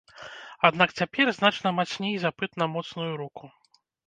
Аднак цяпер значна мацней запыт на моцную руку.